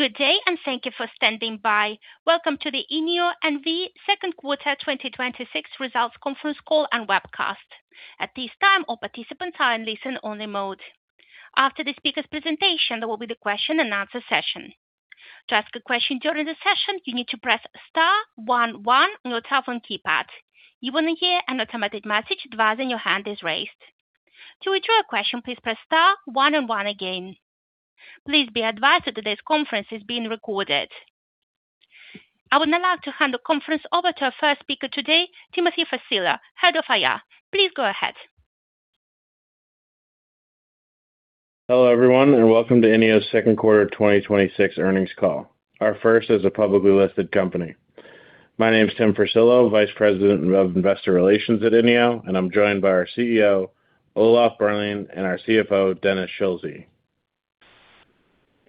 Good day, and thank you for standing by. Welcome to the INNIO N.V. second quarter 2026 results conference call and webcast. At this time, all participants are in listen-only mode. After the speakers' presentation, there will be the question-and-answer session. To ask a question during the session, you need to press star one one on your telephone keypad. You will hear an automated message advising your hand is raised. To withdraw your question, please press star one one again. Please be advised that today's conference is being recorded. I would now like to hand the conference over to our first speaker today, Timothy Furcillo, Head of IR. Please go ahead. Hello, everyone, and welcome to INNIO's second quarter 2026 earnings call, our first as a publicly listed company. My name is Tim Furcillo, Vice President of Investor Relations at INNIO, and I am joined by our CEO, Olaf Berlien, and our CFO, Dennis Schulze.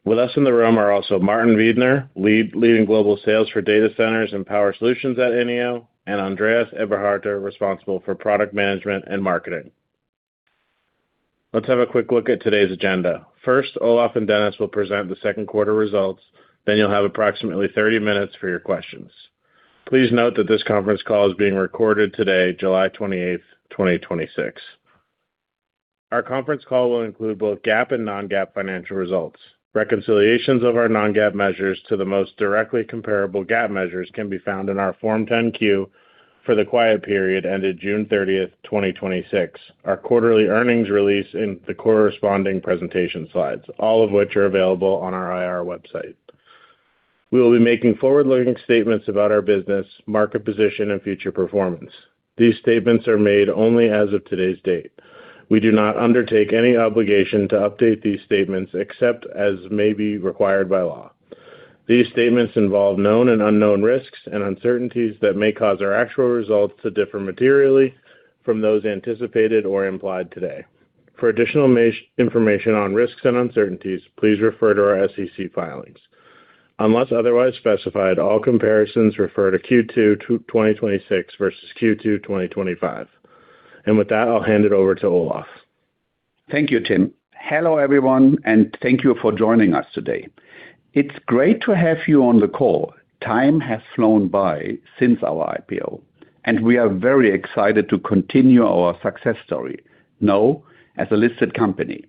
With us in the room are also Martin Widner, leading global sales for data centers and power solutions at INNIO, and Andreas Eberharter, responsible for product management and marketing. Let's have a quick look at today's agenda. First, Olaf and Dennis will present the second quarter results, then you will have approximately 30 minutes for your questions. Please note that this conference call is being recorded today, July 28th, 2026. Our conference call will include both GAAP and non-GAAP financial results. Reconciliations of our non-GAAP measures to the most directly comparable GAAP measures can be found in our Form 10-Q for the quiet period ended June 30th, 2026, our quarterly earnings release, and the corresponding presentation slides, all of which are available on our IR website. We will be making forward-looking statements about our business, market position, and future performance. These statements are made only as of today's date. We do not undertake any obligation to update these statements except as may be required by law. These statements involve known and unknown risks and uncertainties that may cause our actual results to differ materially from those anticipated or implied today. For additional information on risks and uncertainties, please refer to our SEC filings. Unless otherwise specified, all comparisons refer to Q2 2026 versus Q2 2025. With that, I will hand it over to Olaf. Thank you, Tim. Hello, everyone, thank you for joining us today. It is great to have you on the call. Time has flown by since our IPO, we are very excited to continue our success story now as a listed company.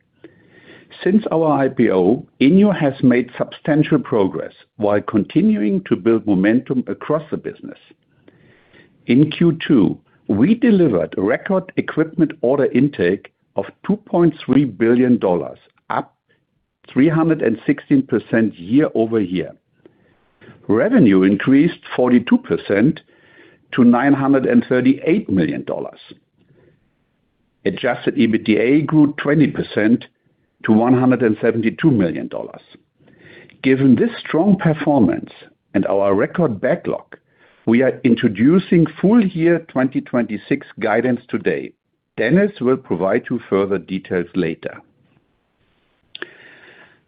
Since our IPO, INNIO has made substantial progress while continuing to build momentum across the business. In Q2, we delivered record equipment order intake of $2.3 billion, up 316% year-over-year. Revenue increased 42% to $938 million. Adjusted EBITDA grew 20% to $172 million. Given this strong performance and our record backlog, we are introducing full year 2026 guidance today. Dennis will provide you further details later.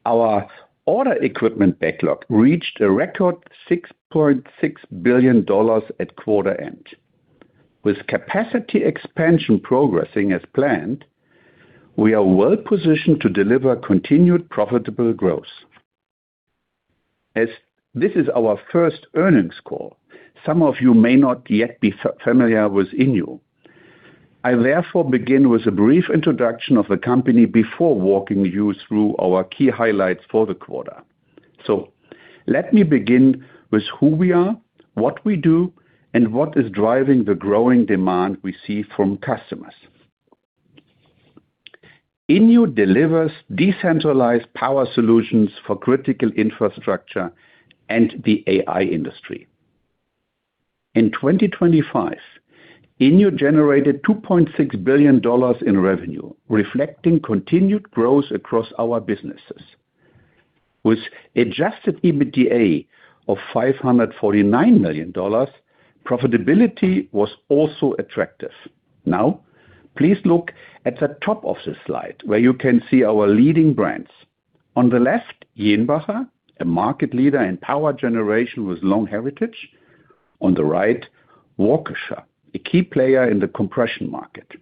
Our order equipment backlog reached a record $6.6 billion at quarter end. With capacity expansion progressing as planned, we are well-positioned to deliver continued profitable growth. As this is our first earnings call, some of you may not yet be familiar with INNIO. I, therefore, begin with a brief introduction of the company before walking you through our key highlights for the quarter. Let me begin with who we are, what we do, and what is driving the growing demand we see from customers. INNIO delivers decentralized power solutions for critical infrastructure and the AI industry. In 2025, INNIO generated $2.6 billion in revenue, reflecting continued growth across our businesses. With adjusted EBITDA of $549 million, profitability was also attractive. Please look at the top of the slide where you can see our leading brands. On the left, Jenbacher, a market leader in power generation with long heritage. On the right, Waukesha, a key player in the compression market.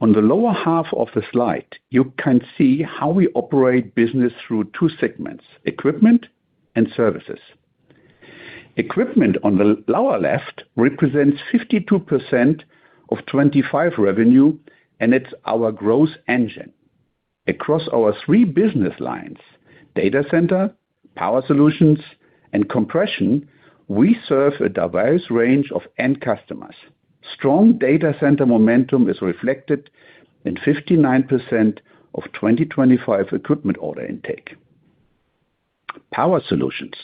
On the lower half of the slide, you can see how we operate business through two segments: equipment and services. Equipment on the lower left represents 52% of 2025 revenue, and it is our growth engine. Across our three business lines, data center, power solutions, and compression, we serve a diverse range of end customers. Strong data center momentum is reflected in 59% of 2025 equipment order intake. Power solutions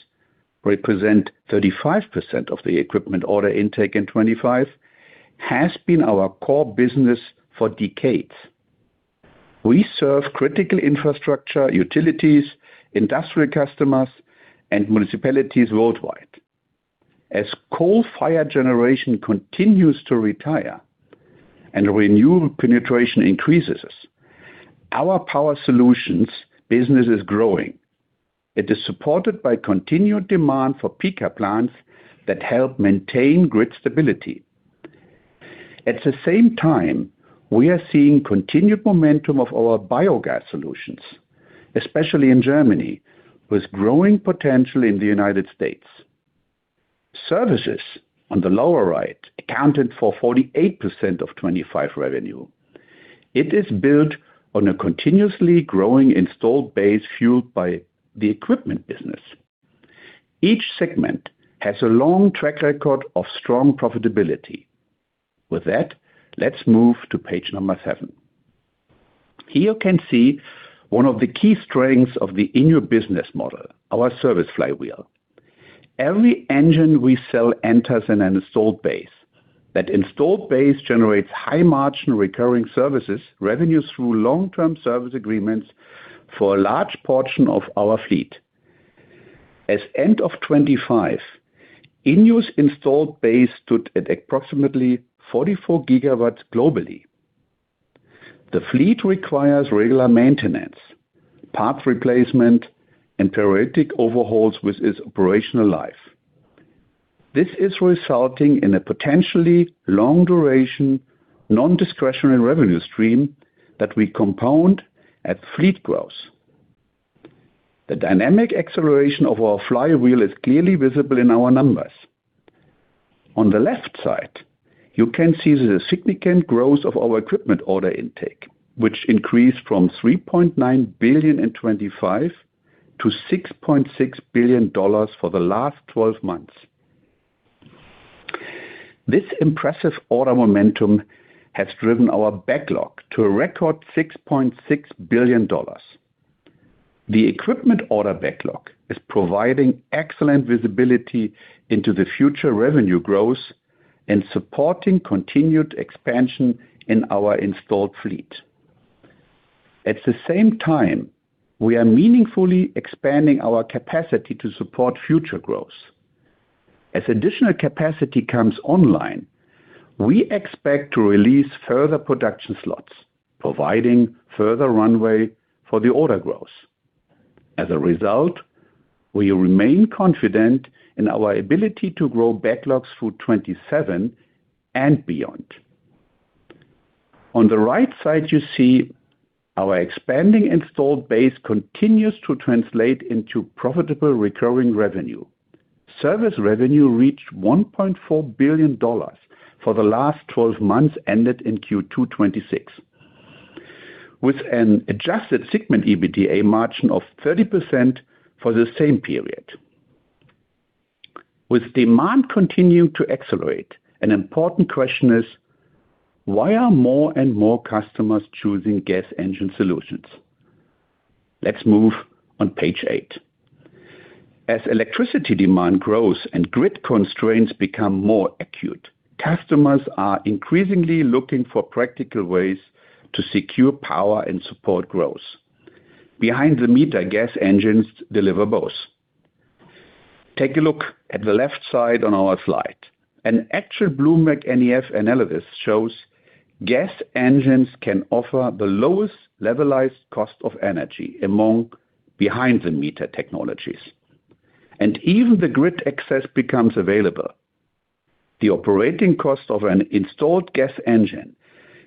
represent 35% of the equipment order intake in 2025, has been our core business for decades. We serve critical infrastructure, utilities, industrial customers, and municipalities worldwide. As coal-fired generation continues to retire and renewable penetration increases, our power solutions business is growing. It is supported by continued demand for peaker plants that help maintain grid stability. At the same time, we are seeing continued momentum of our biogas solutions, especially in Germany, with growing potential in the U.S. Services on the lower right accounted for 48% of 2025 revenue. It is built on a continuously growing installed base fueled by the equipment business. Each segment has a long track record of strong profitability. Let's move to page number seven. Here you can see one of the key strengths of the INNIO business model, our service flywheel. Every engine we sell enters an installed base. That installed base generates high-margin recurring services revenues through long-term service agreements for a large portion of our fleet. As of 2025, INNIO's installed base stood at approximately 44 GW globally. The fleet requires regular maintenance, parts replacement, and periodic overhauls within its operational life. This is resulting in a potentially long-duration, non-discretionary revenue stream that we compound with fleet growth. The dynamic acceleration of our flywheel is clearly visible in our numbers. On the left side, you can see the significant growth of our equipment order intake, which increased from $3.9 billion in 2025 to $6.6 billion for the last 12 months. This impressive order momentum has driven our backlog to a record $6.6 billion. The equipment order backlog is providing excellent visibility into the future revenue growth and supporting continued expansion in our installed fleet. At the same time, we are meaningfully expanding our capacity to support future growth. As additional capacity comes online, we expect to release further production slots, providing further runway for the order growth. As a result, we remain confident in our ability to grow backlogs through 2027 and beyond. On the right side, you see our expanding installed base continues to translate into profitable recurring revenue. Service revenue reached $1.4 billion for the last 12 months ended in Q2 2026, with an adjusted segment EBITDA margin of 30% for the same period. With demand continuing to accelerate, an important question is: Why are more and more customers choosing gas engine solutions? Let's move on page eight. As electricity demand grows and grid constraints become more acute, customers are increasingly looking for practical ways to secure power and support growth. Behind-the-meter gas engines deliver both. Take a look at the left side on our slide. An actual BloombergNEF analysis shows gas engines can offer the lowest levelized cost of energy among behind-the-meter technologies. Even the grid access becomes available. The operating cost of an installed gas engine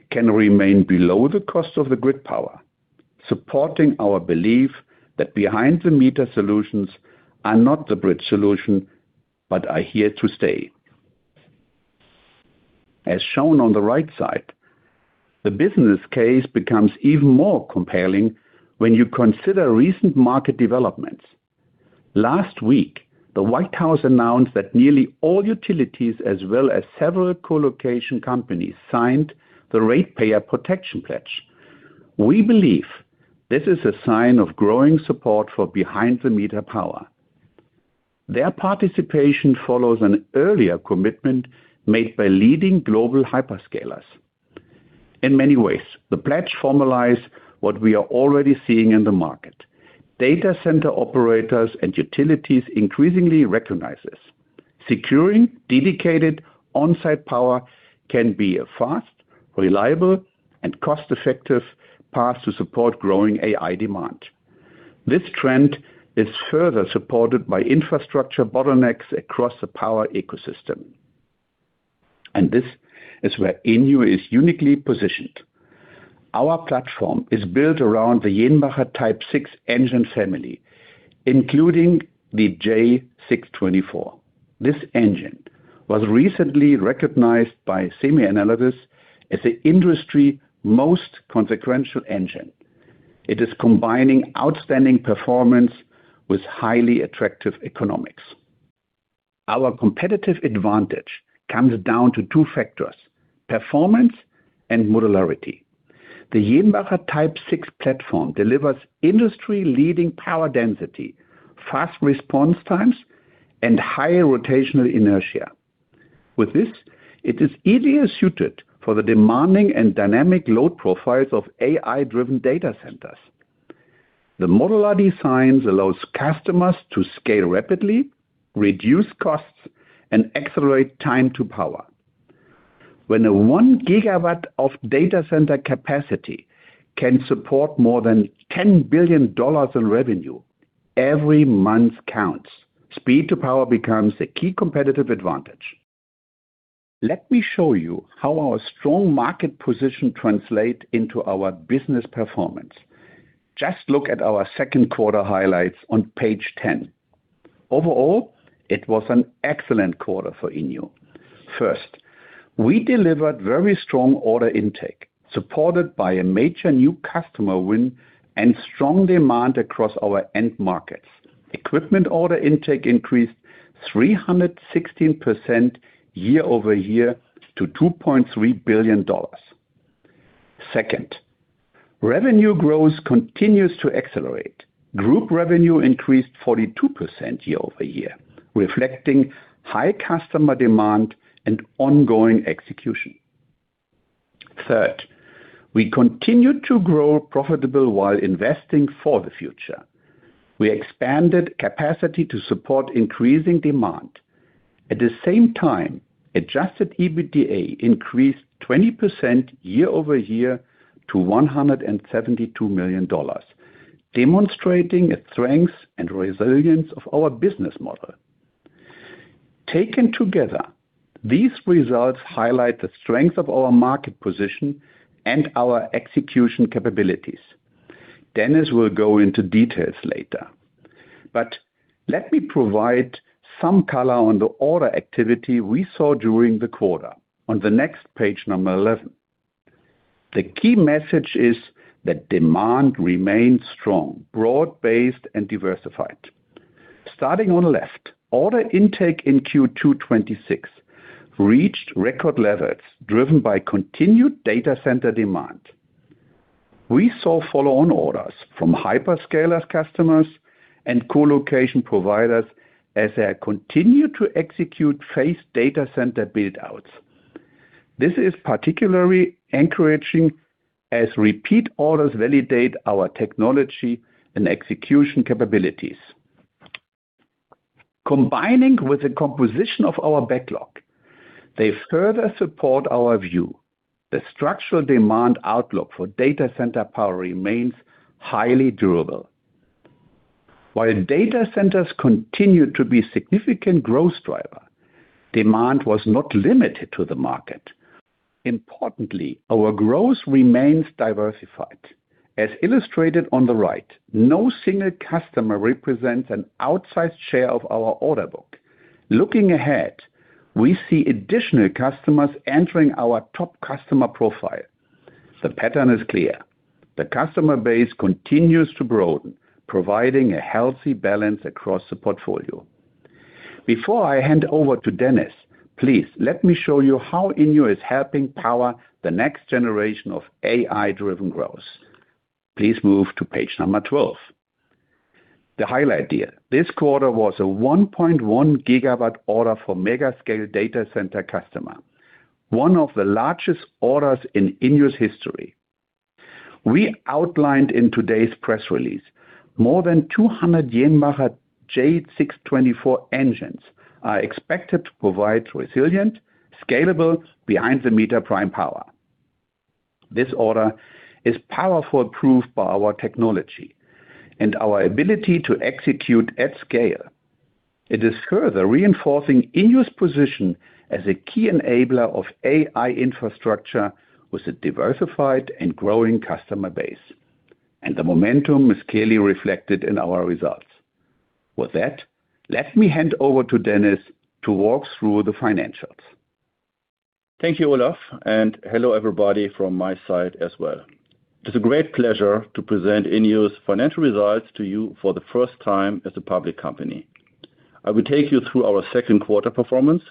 can remain below the cost of the grid power, supporting our belief that behind-the-meter solutions are not the bridge solution, but are here to stay. As shown on the right side, the business case becomes even more compelling when you consider recent market developments. Last week, the White House announced that nearly all utilities, as well as several colocation companies, signed the Ratepayer Protection Pledge. We believe this is a sign of growing support for behind-the-meter power. Their participation follows an earlier commitment made by leading global hyperscalers. In many ways, the pledge formalize what we are already seeing in the market. Data center operators and utilities increasingly recognize this. Securing dedicated on-site power can be a fast, reliable, and cost-effective path to support growing AI demand. This trend is further supported by infrastructure bottlenecks across the power ecosystem. This is where INNIO is uniquely positioned. Our platform is built around the Jenbacher T6 engine family, including the J624. This engine was recently recognized by SemiAnalysis as the industry most consequential engine. It is combining outstanding performance with highly attractive economics. Our competitive advantage comes down to two factors: performance and modularity. The Jenbacher T6 platform delivers industry-leading power density, fast response times, and higher rotational inertia. With this, it is ideally suited for the demanding and dynamic load profiles of AI-driven data centers. The modular design allows customers to scale rapidly, reduce costs, and accelerate time to power. When 1 GW of data center capacity can support more than $10 billion in revenue. Every month counts. Speed to power becomes a key competitive advantage. Let me show you how our strong market position translate into our business performance. Just look at our second quarter highlights on page 10. Overall, it was an excellent quarter for INNIO. First, we delivered very strong order intake, supported by a major new customer win and strong demand across our end markets. Equipment order intake increased 316% year-over-year to $2.3 billion. Second, revenue growth continues to accelerate. Group revenue increased 42% year-over-year, reflecting high customer demand and ongoing execution. Third, we continued to grow profitable while investing for the future. We expanded capacity to support increasing demand. At the same time, adjusted EBITDA increased 20% year-over-year to $172 million, demonstrating a strength and resilience of our business model. Taken together, these results highlight the strength of our market position and our execution capabilities. Dennis will go into details later, but let me provide some color on the order activity we saw during the quarter. On the next page number 11. The key message is that demand remains strong, broad-based, and diversified. Starting on the left, order intake in Q2 2026 reached record levels driven by continued data center demand. We saw follow-on orders from hyperscaler customers and colocation providers as they continue to execute phased data center build-outs. This is particularly encouraging as repeat orders validate our technology and execution capabilities. Combined with the composition of our backlog, they further support our view. The structural demand outlook for data center power remains highly durable. While data centers continue to be a significant growth driver, demand was not limited to the market. Importantly, our growth remains diversified. As illustrated on the right, no single customer represents an outsized share of our order book. Looking ahead, we see additional customers entering our top customer profile. The pattern is clear. The customer base continues to broaden, providing a healthy balance across the portfolio. Before I hand over to Dennis, please let me show you how INNIO is helping power the next generation of AI-driven growth. Please move to page 12. The highlight here, this quarter was a 1.1 GW order for megascale data center customer, one of the largest orders in INNIO's history. We outlined in today's press release more than 200 Jenbacher J624 engines are expected to provide resilient, scalable behind-the-meter prime power. This order is powerful proof of our technology and our ability to execute at scale. It is further reinforcing INNIO's position as a key enabler of AI infrastructure with a diversified and growing customer base, and the momentum is clearly reflected in our results. With that, let me hand over to Dennis to walk through the financials. Thank you, Olaf, and hello, everybody from my side as well. It's a great pleasure to present INNIO's financial results to you for the first time as a public company. I will take you through our second quarter performance,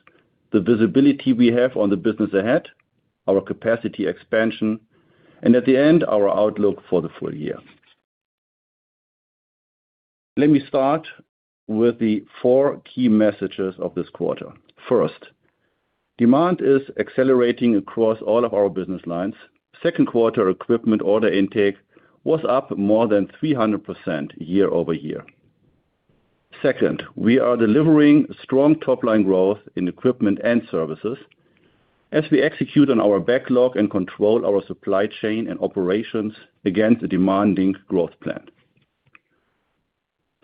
the visibility we have on the business ahead, our capacity expansion, and at the end, our outlook for the full year. Let me start with the four key messages of this quarter. First, demand is accelerating across all of our business lines. Second quarter equipment order intake was up more than 300% year-over-year. Second, we are delivering strong top-line growth in equipment and services as we execute on our backlog and control our supply chain and operations against a demanding growth plan.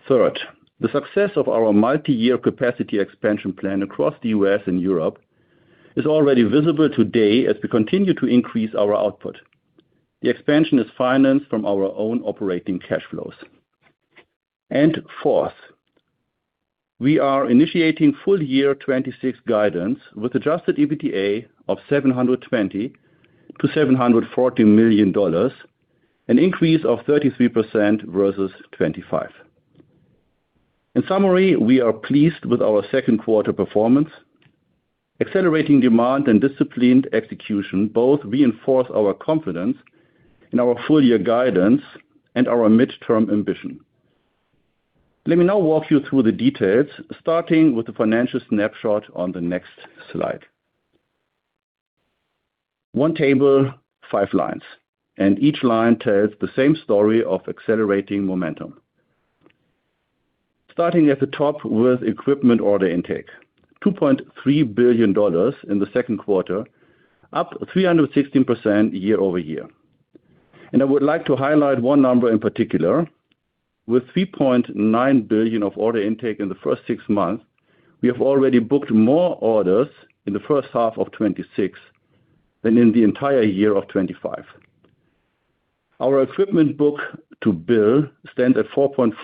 Third, the success of our multi-year capacity expansion plan across the U.S. and Europe is already visible today as we continue to increase our output. The expansion is financed from our own operating cash flows. Fourth, we are initiating full year 2026 guidance with adjusted EBITDA of $720 million-$740 million, an increase of 33% versus 2025. In summary, we are pleased with our second quarter performance. Accelerating demand and disciplined execution both reinforce our confidence in our full year guidance and our midterm ambition. Let me now walk you through the details, starting with the financial snapshot on the next slide. One table, five lines, each line tells the same story of accelerating momentum. Starting at the top with equipment order intake. $2.3 billion in the second quarter Up 316% year-over-year. I would like to highlight one number in particular. With $3.9 billion of order intake in the first six months, we have already booked more orders in the first half of 2026 than in the entire year of 2025. Our equipment book-to-bill stands at 4.4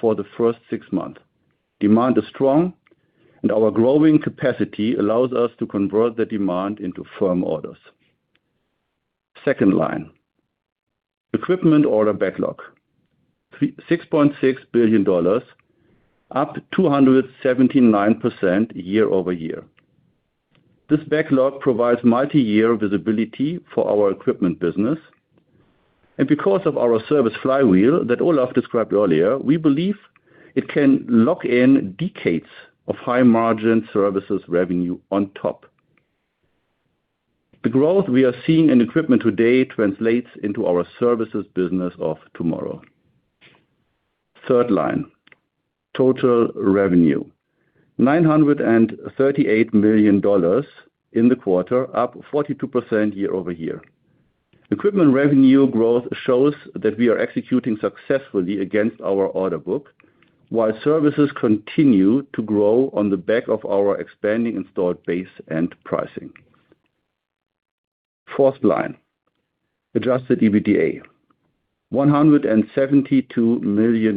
for the first six months. Demand is strong, and our growing capacity allows us to convert the demand into firm orders. Second line, equipment order backlog, $6.6 billion, up 279% year-over-year. This backlog provides multi-year visibility for our equipment business, and because of our service flywheel that Olaf described earlier, we believe it can lock in decades of high-margin services revenue on top. The growth we are seeing in equipment today translates into our services business of tomorrow. Third line, total revenue, $938 million in the quarter, up 42% year-over-year. Equipment revenue growth shows that we are executing successfully against our order book, while services continue to grow on the back of our expanding installed base and pricing. Fourth line, adjusted EBITDA, $172 million,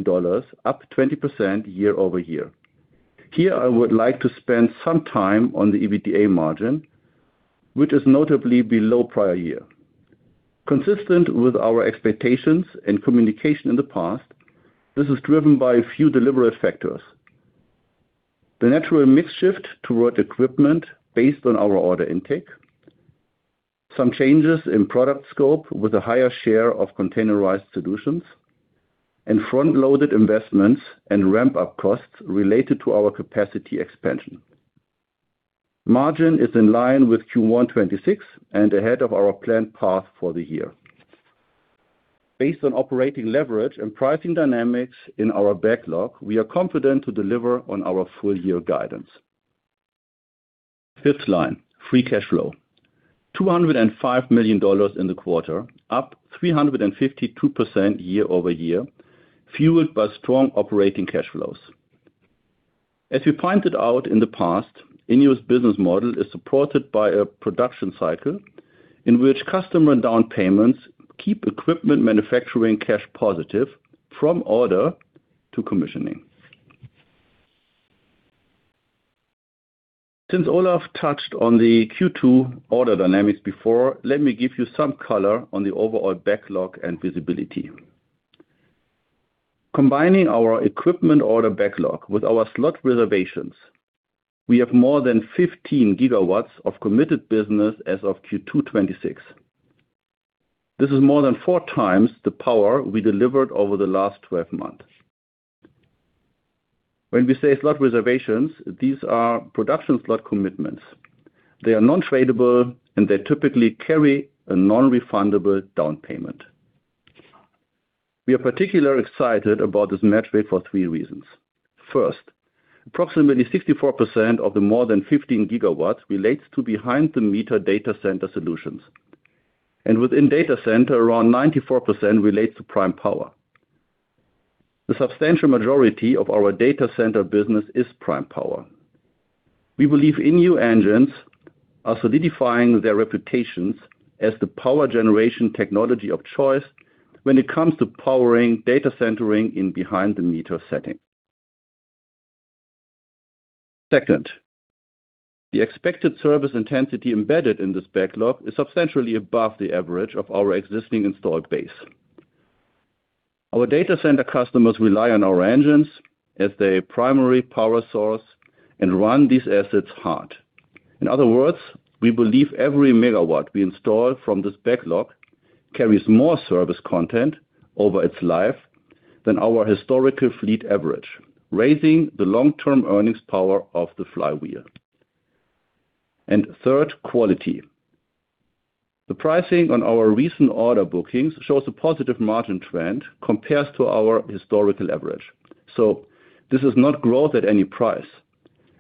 up 20% year-over-year. Here, I would like to spend some time on the EBITDA margin, which is notably below prior year. Consistent with our expectations and communication in the past, this is driven by a few deliberate factors. The natural mix shift toward equipment based on our order intake, some changes in product scope with a higher share of containerized solutions, and front-loaded investments and ramp-up costs related to our capacity expansion. Margin is in line with Q1 2026 and ahead of our planned path for the year. Based on operating leverage and pricing dynamics in our backlog, we are confident to deliver on our full year guidance. Fifth line, free cash flow, $205 million in the quarter, up 352% year-over-year, fueled by strong operating cash flows. As we pointed out in the past, INNIO's business model is supported by a production cycle in which customer down payments keep equipment manufacturing cash positive from order to commissioning. Since Olaf touched on the Q2 order dynamics before, let me give you some color on the overall backlog and visibility. Combining our equipment order backlog with our slot reservations, we have more than 15 GW of committed business as of Q2 2026. This is more than four times the power we delivered over the last 12 months. When we say slot reservations, these are production slot commitments. They are non-tradable, and they typically carry a non-refundable down payment. We are particularly excited about this metric for three reasons. First, approximately 64% of the more than 15 gigawatts relates to behind-the-meter data center solutions. Within data center, around 94% relates to prime power. The substantial majority of our data center business is prime power. We believe INNIO engines are solidifying their reputations as the power generation technology of choice when it comes to powering data centers in behind-the-meter setting. Second, the expected service intensity embedded in this backlog is substantially above the average of our existing installed base. Our data center customers rely on our engines as their primary power source and run these assets hard. In other words, we believe every megawatt we install from this backlog carries more service content over its life than our historical fleet average, raising the long-term earnings power of the flywheel. Third, quality. The pricing on our recent order bookings shows a positive margin trend compared to our historical average. This is not growth at any price.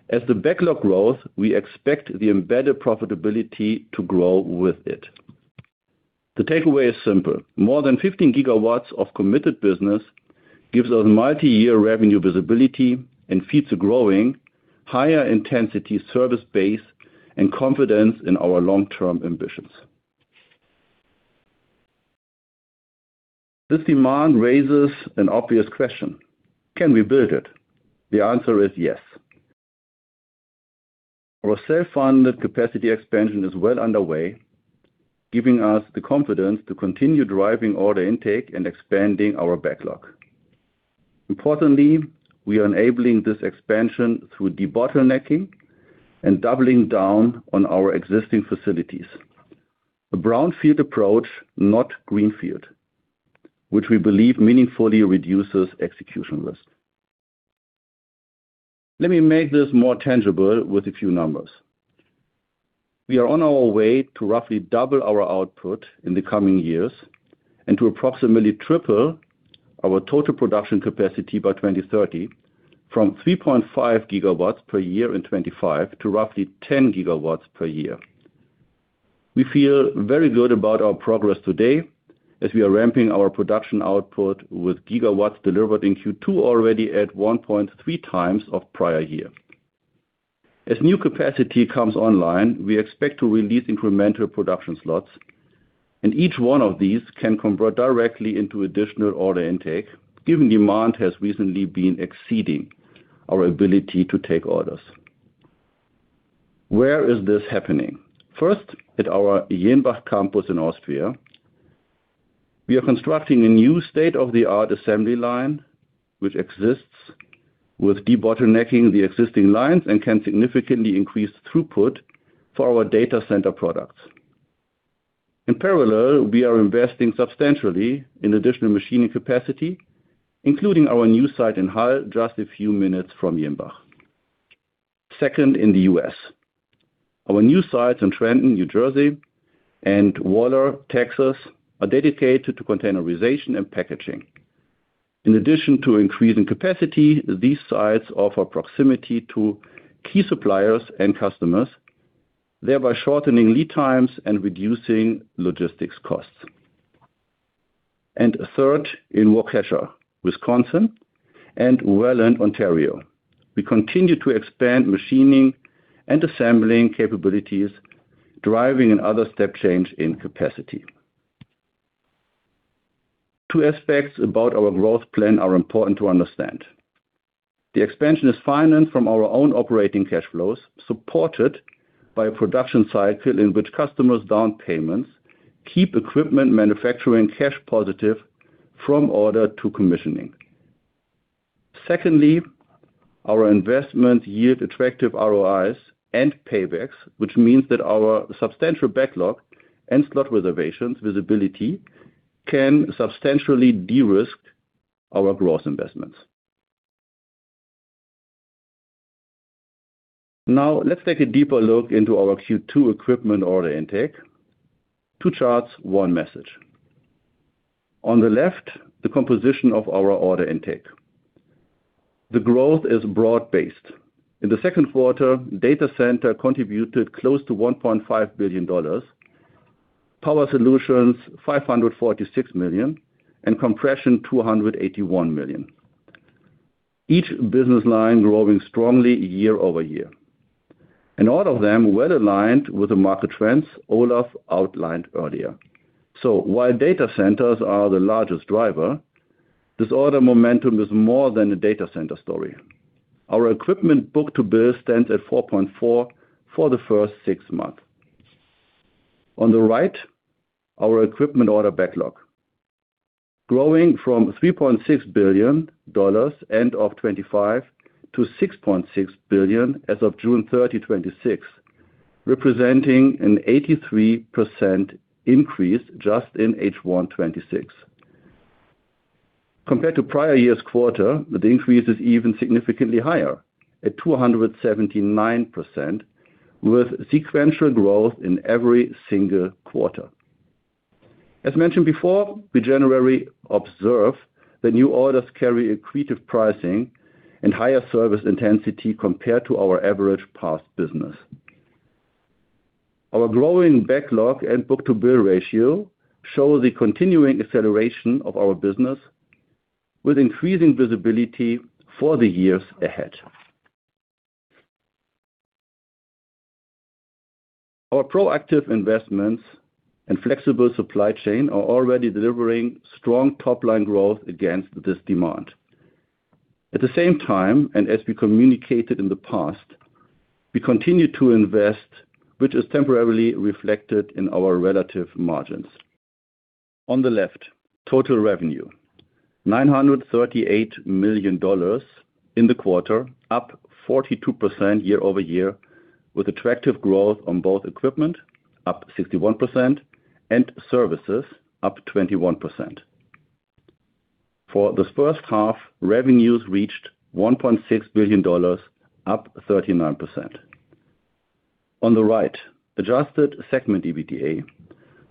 As the backlog grows, we expect the embedded profitability to grow with it. The takeaway is simple. More than 15 GW of committed business gives us multi-year revenue visibility and feeds a growing, higher intensity service base and confidence in our long-term ambitions. This demand raises an obvious question: Can we build it? The answer is yes. Our self-funded capacity expansion is well underway, giving us the confidence to continue driving order intake and expanding our backlog. Importantly, we are enabling this expansion through debottlenecking and doubling down on our existing facilities. A brownfield approach, not greenfield, which we believe meaningfully reduces execution risk. Let me make this more tangible with a few numbers. We are on our way to roughly double our output in the coming years and to approximately triple our total production capacity by 2030 from 3.5 GW per year in 2025 to roughly 10 GW per year. We feel very good about our progress today as we are ramping our production output with GW delivered in Q2 already at 1.3X of prior year. As new capacity comes online, we expect to release incremental production slots, and each one of these can convert directly into additional order intake, given demand has recently been exceeding our ability to take orders. Where is this happening? First, at our Jenbach campus in Austria. We are constructing a new state-of-the-art assembly line which exists with debottlenecking the existing lines and can significantly increase throughput for our data center products. In parallel, we are investing substantially in additional machining capacity, including our new site in Hall, just a few minutes from Jenbach. Second, in the U.S. Our new sites in Trenton, New Jersey, and Waller, Texas, are dedicated to containerization and packaging. In addition to increasing capacity, these sites offer proximity to key suppliers and customers, thereby shortening lead times and reducing logistics costs. Third, in Waukesha, Wisconsin, and Welland, Ontario. We continue to expand machining and assembling capabilities, driving another step change in capacity. Two aspects about our growth plan are important to understand. The expansion is financed from our own operating cash flows, supported by a production cycle in which customers' down payments keep equipment manufacturing cash positive from order to commissioning. Second, our investment yield attractive ROI and paybacks, which means that our substantial backlog and Slot Reservations visibility can substantially de-risk our growth investments. Let's take a deeper look into our Q2 equipment order intake. Two charts, one message. On the left, the composition of our order intake. The growth is broad-based. In the second quarter, data center contributed close to $1.5 billion. Power solutions, $546 million. Compression, $281 million. Each business line growing strongly year-over-year. All of them well-aligned with the market trends Olaf outlined earlier. While data centers are the largest driver, this order momentum is more than a data center story. Our equipment book-to-bill stands at 4.4 for the first six months. On the right, our equipment order backlog. Growing from $3.6 billion end of 2025 to $6.6 billion as of June 30, 2026, representing an 83% increase just in H1 2026. Compared to prior year's quarter, the increase is even significantly higher, at 279%, with sequential growth in every single quarter. As mentioned before, we generally observe that new orders carry accretive pricing and higher service intensity compared to our average past business. Our growing backlog and book-to-bill ratio show the continuing acceleration of our business with increasing visibility for the years ahead. Our proactive investments and flexible supply chain are already delivering strong top-line growth against this demand. At the same time, as we communicated in the past, we continue to invest, which is temporarily reflected in our relative margins. On the left, total revenue. $938 million in the quarter, up 42% year-over-year, with attractive growth on both equipment, up 61%, and services, up 21%. For this first half, revenues reached $1.6 billion, up 39%. On the right, adjusted segment EBITDA,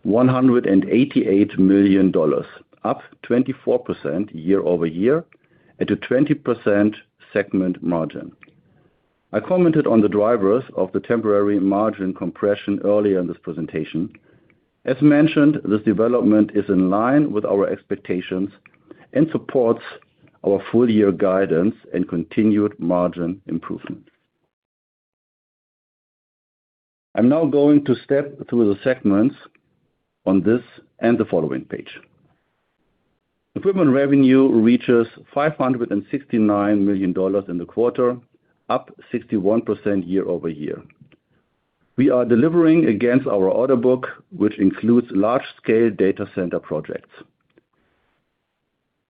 $188 million, up 24% year-over-year at a 20% segment margin. I commented on the drivers of the temporary margin compression earlier in this presentation. As mentioned, this development is in line with our expectations and supports our full-year guidance and continued margin improvement. I'm now going to step through the segments on this and the following page. Equipment revenue reaches $569 million in the quarter, up 61% year-over-year. We are delivering against our order book, which includes large-scale data center projects.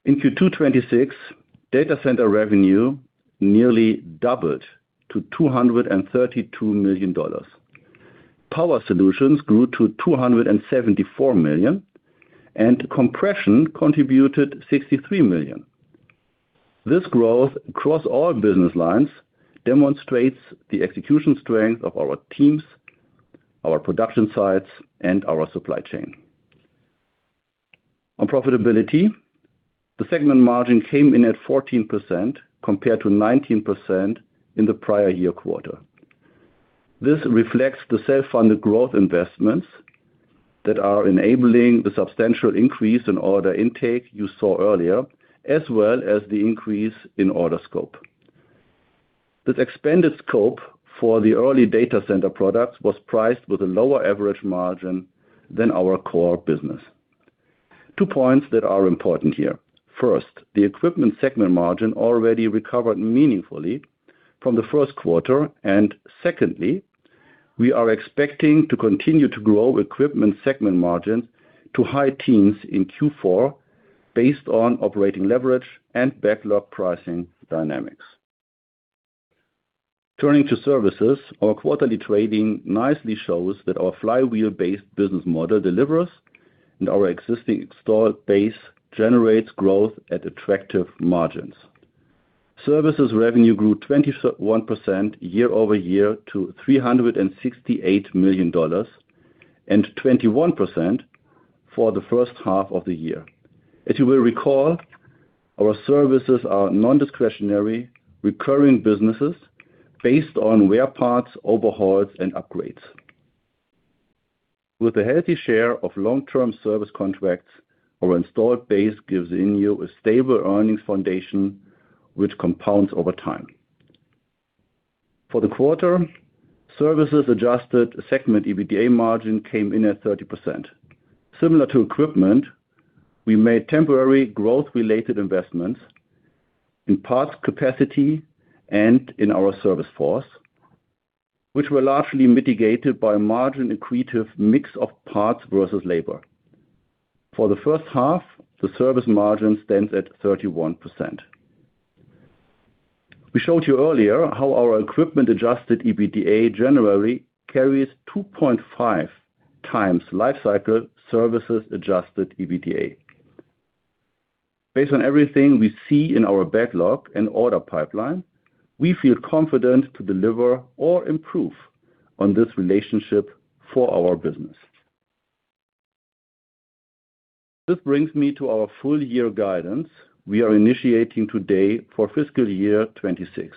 In Q2 2026, data center revenue nearly doubled to $232 million. Power solutions grew to $274 million, and compression contributed $63 million. This growth across all business lines demonstrates the execution strength of our teams, our production sites, and our supply chain. On profitability, the segment margin came in at 14% compared to 19% in the prior year quarter. This reflects the self-funded growth investments that are enabling the substantial increase in order intake you saw earlier, as well as the increase in order scope. This expanded scope for the early data center products was priced with a lower average margin than our core business. Two points that are important here. First, the equipment segment margin already recovered meaningfully from the first quarter, and secondly, we are expecting to continue to grow equipment segment margins to high teens in Q4 based on operating leverage and backlog pricing dynamics. Turning to services, our quarterly trading nicely shows that our flywheel-based business model delivers and our existing installed base generates growth at attractive margins. Services revenue grew 21% year-over-year to $368 million, and 21% for the first half of the year. As you will recall, our services are non-discretionary, recurring businesses based on wear parts, overhauls, and upgrades. With a healthy share of long-term service contracts, our installed base gives INNIO a stable earnings foundation which compounds over time. For the quarter, services adjusted segment EBITDA margin came in at 30%. Similar to equipment, we made temporary growth-related investments in parts capacity and in our service force, which were largely mitigated by a margin-accretive mix of parts versus labor. For the first half, the service margin stands at 31%. We showed you earlier how our equipment-adjusted EBITDA generally carries 2.5X lifecycle services adjusted EBITDA. Based on everything we see in our backlog and order pipeline, we feel confident to deliver or improve on this relationship for our business. This brings me to our full year guidance we are initiating today for fiscal year 2026.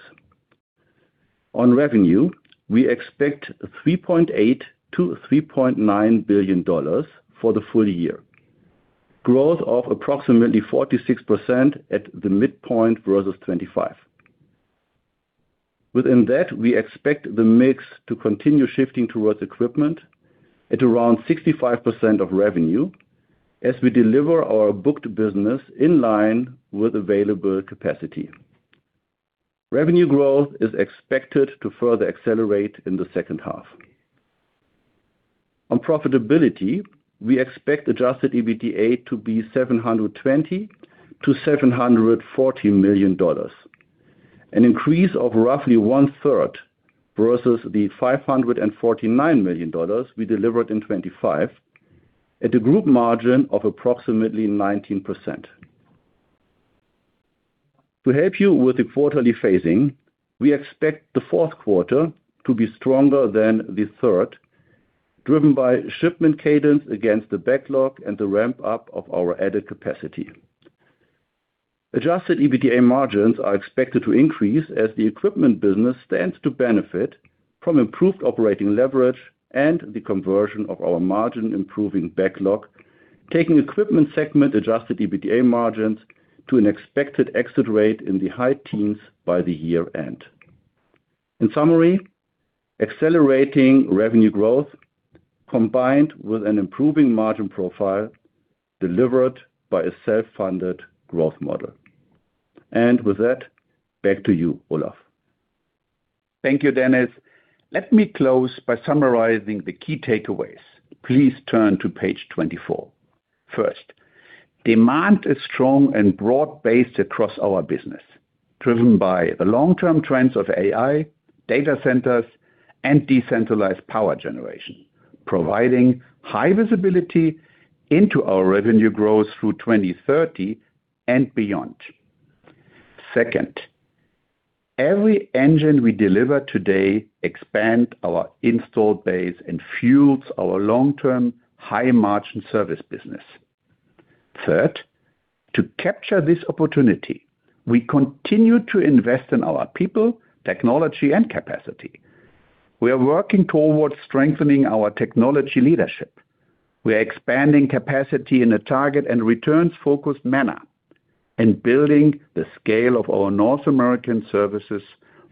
On revenue, we expect $3.8 billion-$3.9 billion for the full year. Growth of approximately 46% at the midpoint versus 25. Within that, we expect the mix to continue shifting towards equipment at around 65% of revenue as we deliver our booked business in line with available capacity. Revenue growth is expected to further accelerate in the second half. On profitability, we expect Adjusted EBITDA to be $720 million-$740 million, an increase of roughly one-third versus the $549 million we delivered in 2025 at a group margin of approximately 19%. To help you with the quarterly phasing, we expect the fourth quarter to be stronger than the third, driven by shipment cadence against the backlog and the ramp-up of our added capacity. Adjusted EBITDA margins are expected to increase as the equipment business stands to benefit from improved operating leverage and the conversion of our margin-improving backlog, taking equipment segment Adjusted EBITDA margins to an expected exit rate in the high teens by the year-end. In summary, accelerating revenue growth combined with an improving margin profile delivered by a self-funded growth model. With that, back to you, Olaf. Thank you, Dennis. Let me close by summarizing the key takeaways. Please turn to page 24. First, demand is strong and broad-based across our business, driven by the long-term trends of AI, data centers, and decentralized power generation, providing high visibility into our revenue growth through 2030 and beyond. Second, every engine we deliver today expand our install base and fuels our long-term high-margin service business. Third, to capture this opportunity, we continue to invest in our people, technology, and capacity. We are working towards strengthening our technology leadership. We are expanding capacity in a target and returns-focused manner and building the scale of our North American services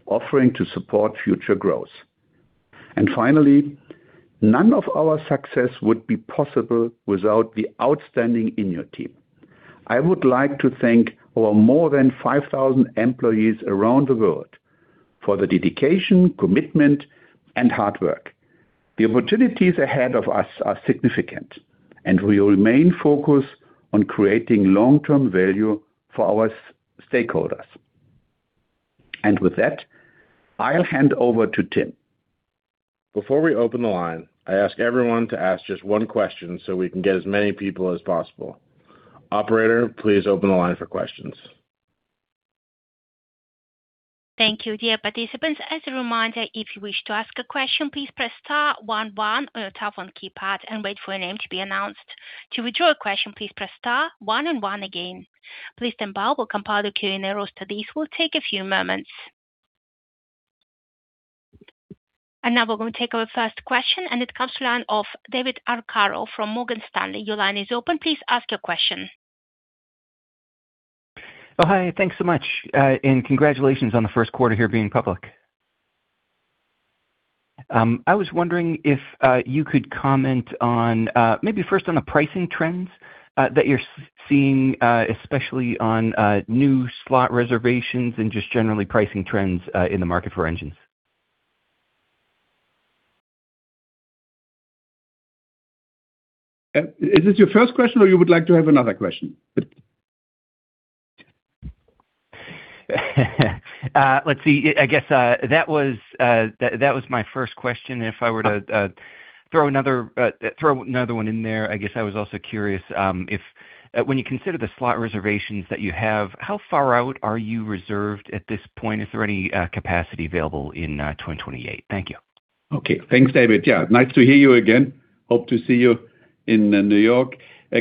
offering to support future growth. Finally, none of our success would be possible without the outstanding INNIO team. I would like to thank our more than 5,000 employees around the world for their dedication, commitment, and hard work. The opportunities ahead of us are significant, and we remain focused on creating long-term value for our stakeholders. With that, I'll hand over to Tim. Before we open the line, I ask everyone to ask just one question so we can get as many people as possible. Operator, please open the line for questions. Thank you, dear participants. As a reminder, if you wish to ask a question, please press star one one on your telephone keypad and wait for your name to be announced. To withdraw a question, please press star one and one again. Please stand by while we compile the queuing roster. This will take a few moments. Now we're going to take our first question, and it comes to the line of David Arcaro from Morgan Stanley. Your line is open. Please ask your question. Hi. Thanks so much. Congratulations on the first quarter here being public. I was wondering if you could comment on, maybe first on the pricing trends that you're seeing, especially on new Slot Reservations and just generally pricing trends in the market for engines. Is this your first question, or you would like to have another question? Let's see. I guess that was my first question. If I were to throw another one in there, I guess I was also curious if when you consider the slot reservations that you have, how far out are you reserved at this point? Is there any capacity available in 2028? Thank you. Okay. Thanks, David. Yeah. Nice to hear you again. Hope to see you in New York.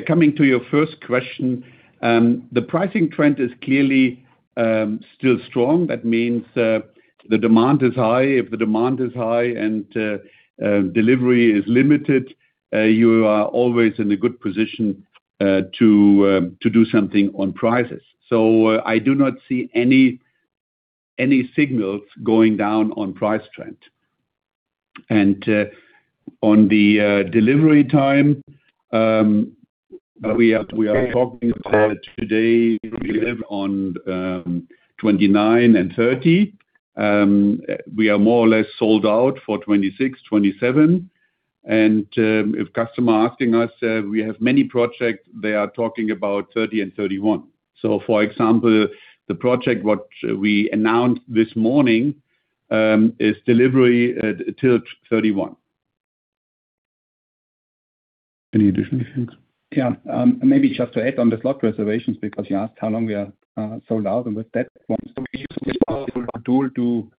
Coming to your first question, the pricing trend is clearly still strong. That means the demand is high. If the demand is high and delivery is limited, you are always in a good position to do something on prices. I do not see any signals going down on price trend. On the delivery time, we are talking about today, we have on 29 and 30. We are more or less sold out for 26, 27. If customer asking us, we have many projects, they are talking about 30 and 31. For example, the project what we announced this morning, is delivery till 2031. Any additional things? Yeah. Maybe just to add on the slot reservations because you asked how long we are sold out and with that one. We use a powerful tool to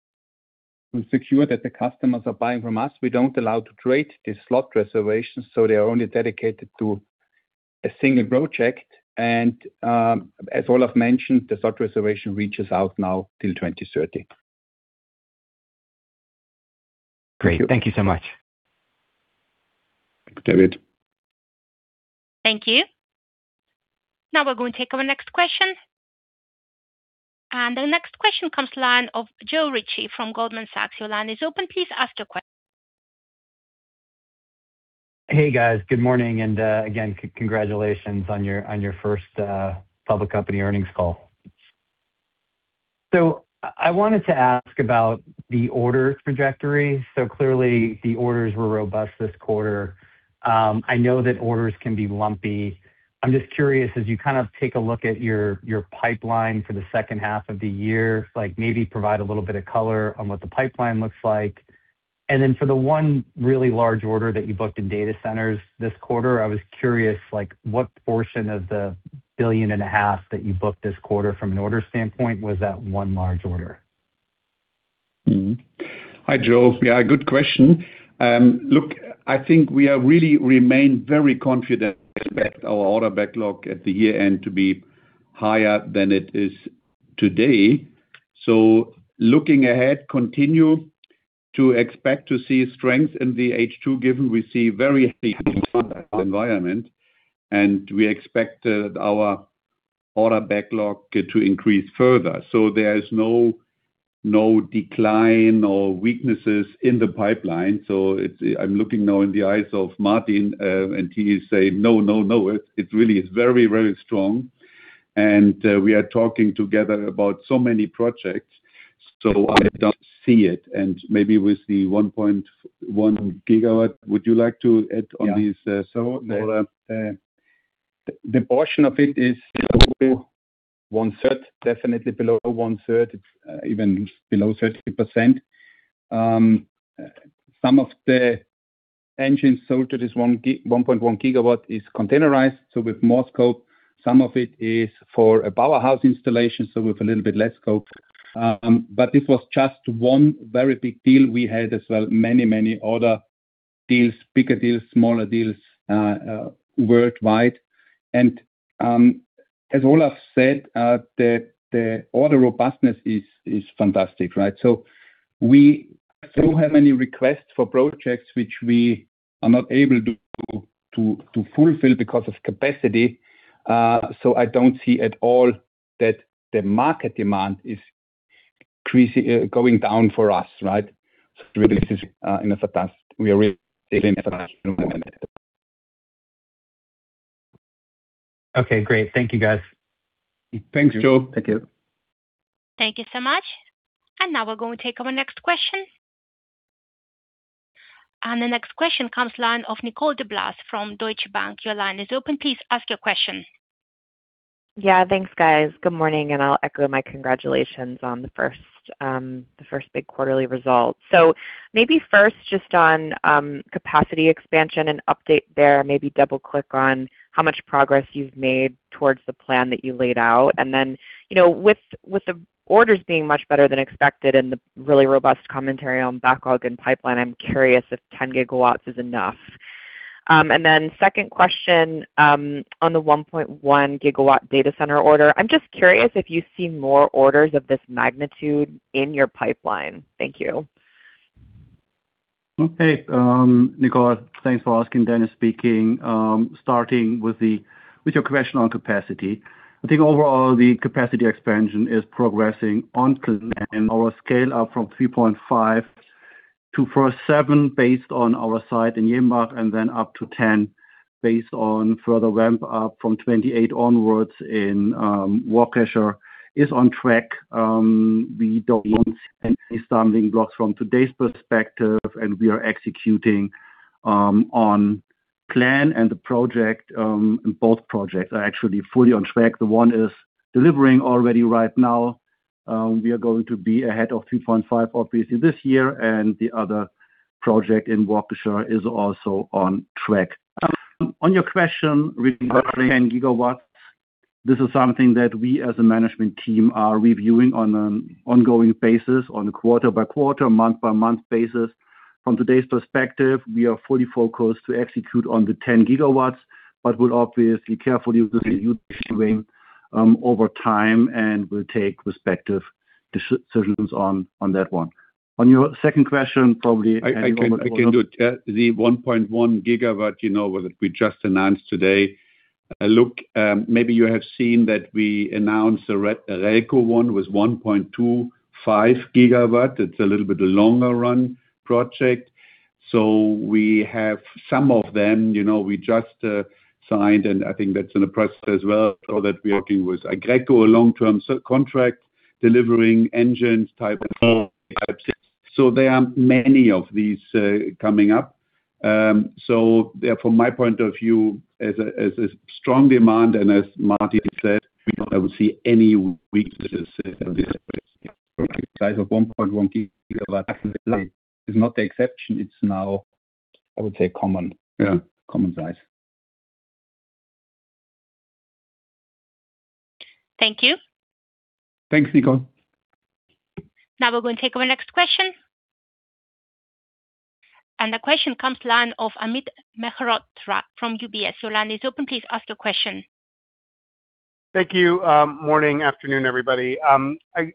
secure that the customers are buying from us. We don't allow to trade the slot reservations, so they are only dedicated to a single project. As Olaf mentioned, the slot reservation reaches out now till 2030. Great. Thank you so much. Thank you, David. Thank you. Now we're going to take our next question. The next question comes line of Joe Ritchie from Goldman Sachs. Your line is open. Please ask your question. Hey, guys. Good morning, and again, congratulations on your first public company earnings call. I wanted to ask about the order trajectory. Clearly the orders were robust this quarter. I know that orders can be lumpy. I'm just curious, as you take a look at your pipeline for the second half of the year, maybe provide a little bit of color on what the pipeline looks like. Then for the one really large order that you booked in data centers this quarter, I was curious, what portion of the billion and a half that you booked this quarter from an order standpoint was that one large order? Hi, Joe. Yeah, good question. Look, I think we have really remained very confident to expect our order backlog at the year-end to be higher than it is today. Looking ahead, continue to expect to see strength in the H2 given we see very environment, and we expect our order backlog to increase further. There is no decline or weaknesses in the pipeline. I'm looking now in the eyes of Martin, and he is saying, "No, no." It really is very, very strong. We are talking together about so many projects, so I don't see it. Maybe with the 1.1 GW, would you like to add on this? Yeah. Olaf. The portion of it is below one-third, definitely below one-third. It's even below 30%. Some of the engines sold to this 1.1 GW is containerized, so with more scope. Some of it is for a powerhouse installation, so with a little bit less scope. This was just one very big deal. We had as well many, many other deals, bigger deals, smaller deals, worldwide. As Olaf said, the order robustness is fantastic, right? We still have many requests for projects which we are not able to fulfill because of capacity. I don't see at all that the market demand is going down for us, right? Really, this is in the past. We are really still in. Okay, great. Thank you, guys. Thanks, Joe. Thank you. Thank you so much. Now we're going to take our next question. The next question comes line of Nicole DeBlase from Deutsche Bank. Your line is open. Please ask your question. Yeah. Thanks, guys. Good morning, I'll echo my congratulations on the first big quarterly result. Maybe first just on capacity expansion and update there. Maybe double-click on how much progress you've made towards the plan that you laid out. With the orders being much better than expected and the really robust commentary on backlog and pipeline, I'm curious if 10 GW is enough. Second question, on the 1.1 GW data center order. I'm just curious if you see more orders of this magnitude in your pipeline. Thank you. Okay. Nicole, thanks for asking. Dennis speaking. Starting with your question on capacity. I think overall the capacity expansion is progressing on plan. Our scale-up from 3.5 to first seven based on our site in Jenbach and then up to 10 based on further ramp-up from 2028 onwards in Waukesha is on track. We don't see any stumbling blocks from today's perspective. We are executing on plan and both projects are actually fully on track. The one is delivering already right now. We are going to be ahead of 3.5 obviously this year. The other project in Waukesha is also on track. On your question regarding 10 GW, this is something that we as a management team are reviewing on an ongoing basis, on a quarter by quarter, month by month basis. From today's perspective, we are fully focused to execute on the 10 GW. We'll obviously carefully review this range over time and will take respective decisions on that one. On your second question, I can do it. The 1.1 GW that we just announced today. Look, maybe you have seen that we announced the Aggreko one was 1.25 GW. It's a little bit longer run project. We have some of them we just signed and I think that's in the process as well. That we are working with Aggreko, a long-term contract delivering engines Type four, Type six. There are many of these coming up. Therefore, my point of view is a strong demand, and as Martin said, we don't see any weaknesses in this space. Size of 1.1 GW is not the exception, it's now, I would say, common. Yeah. Common size. Thank you. Thanks, Nicole. We're going to take our next question. The question comes line of Amit Mehrotra from UBS. Your line is open. Please ask your question. Thank you. Morning, afternoon, everybody. I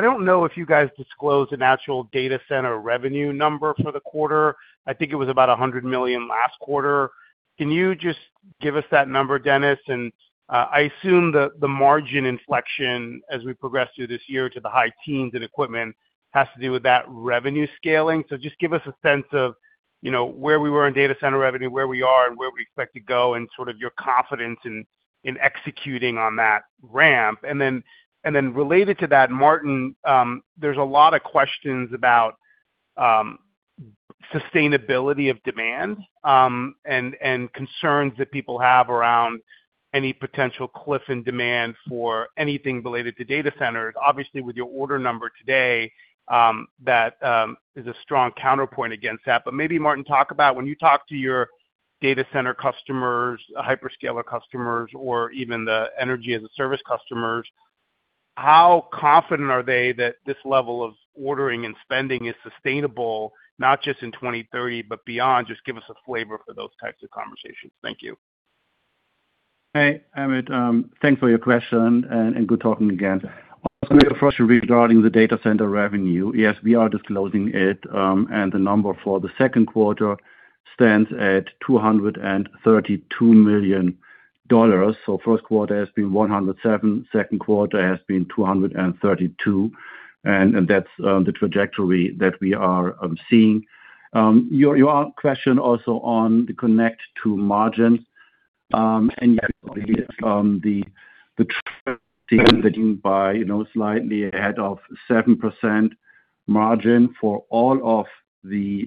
don't know if you guys disclosed an actual data center revenue number for the quarter. I think it was about $100 million last quarter. Can you just give us that number, Dennis? I assume that the margin inflection as we progress through this year to the high teens in equipment has to do with that revenue scaling. Just give us a sense of where we were in data center revenue, where we are, and where we expect to go and sort of your confidence in executing on that ramp. Related to that, Martin, there's a lot of questions about sustainability of demand, and concerns that people have around any potential cliff in demand for anything related to data centers. Obviously, with your order number today, that is a strong counterpoint against that. Maybe Martin, talk about when you talk to your data center customers, hyperscaler customers, or even the Energy as a Service customers, how confident are they that this level of ordering and spending is sustainable, not just in 2030, but beyond? Just give us a flavor for those types of conversations. Thank you. Hey, Amit. Thanks for your question and good talking again. Your first regarding the data center revenue. Yes, we are disclosing it, and the number for the second quarter stands at $232 million. First quarter has been $107 million, second quarter has been $232 million. That's the trajectory that we are seeing. Your question also on the connect to margin. Yes, the trajectory is looking by slightly ahead of 7% margin for all of the